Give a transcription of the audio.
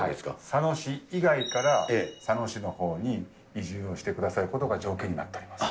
佐野市以外から、佐野市のほうに移住をしてくださることが条件になっております。